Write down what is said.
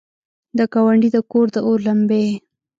د ګاونډي د کور، داور لمبې!